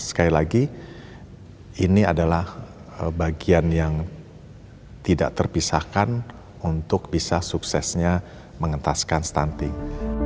sekali lagi ini adalah bagian yang tidak terpisahkan untuk bisa suksesnya mengentaskan stunting